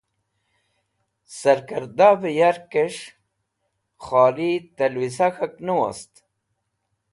Sarkẽrdavẽ yarkẽs̃h kholi tẽlwisa k̃hak ne wost.